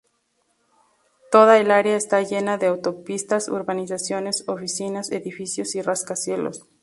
Toda el área está llena de autopistas, urbanizaciones, oficinas, edificios y rascacielos.